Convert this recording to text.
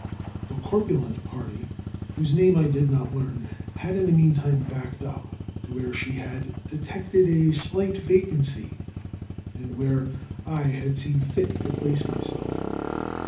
The corpulent party, whose name I did not learn, had in the meantime backed up to where she had detected a slight vacancy, and where I had seen fit to place myself.